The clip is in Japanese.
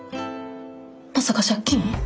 まさか借金？